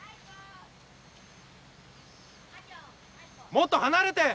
もっと離れて！